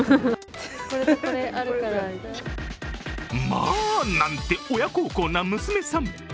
まあ、なんて親孝行な娘さん。